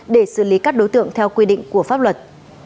để xử lý các đối tượng theo quy định của pháp luật